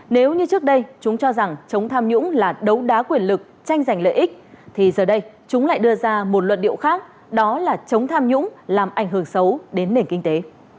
nếu như trước đây chúng cho rằng chống tham nhũng là đấu đá quyền lực tranh giành lợi ích thì giờ đây chúng lại đưa ra một luận điệu khác đó là chống tham nhũng làm ảnh hưởng xấu đến nền kinh tế